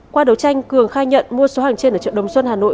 qua đấu tranh cường khai nhận mua số hàng trên ở chợ đồng xuân hà nội